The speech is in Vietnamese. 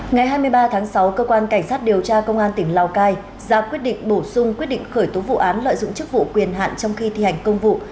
ngày hai mươi ba tháng sáu cơ quan cảnh sát điều tra công an tỉnh lào cai ra quyết định bổ sung quyết định khởi tố vụ án lợi dụng chức vụ quyền hạn trong khi thi hành công vụ